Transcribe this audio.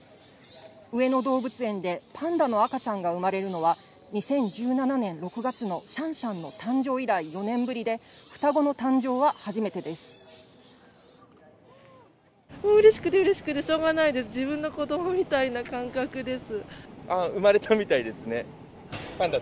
上野動物園でパンダの赤ちゃんが生まれるのは２０１７年６月のシャンシャンの誕生以来４年ぶりで、双子の誕生は初めてです。